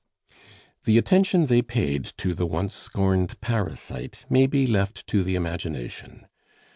The attention they paid to the once scorned parasite may be left to the imagination!